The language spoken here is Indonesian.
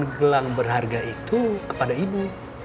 gelang berharga itu kepada ibu